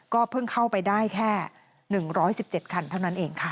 เพิ่งเข้าไปได้แค่๑๑๗คันเท่านั้นเองค่ะ